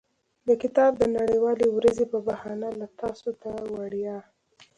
د کتاب د نړیوالې ورځې په بهانه له تاسو ته د وړیا.